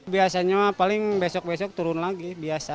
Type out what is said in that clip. biasanya paling besok besok turun lagi